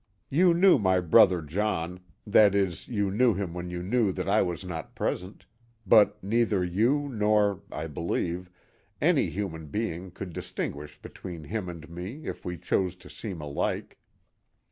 You knew my brother John—that is, you knew him when you knew that I was not present; but neither you nor, I believe, any human being could distinguish between him and me if we chose to seem alike.